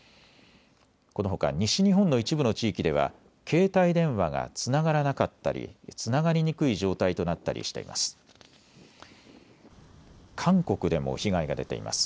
このほか西日本の一部の地域では携帯電話がつながらなかったりつながりにくい状態となったりしています。